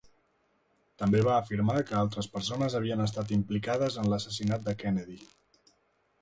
També va afirmar que altres persones havien estat implicades en l'assassinat de Kennedy.